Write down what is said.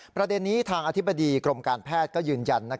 ประเด็นนี้ทางอธิบดีกรมการแพทย์ก็ยืนยัน